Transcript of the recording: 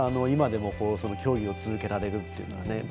今でも競技を続けられるっていうね。